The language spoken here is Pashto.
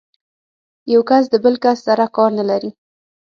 یو کس د بل کس سره کار نه لري.